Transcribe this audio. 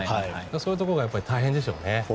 そういうところが大変でしょうね。